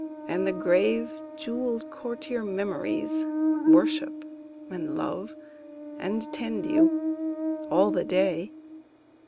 And the grave jewelled courtier Memories Worship and love and tend you, all the day.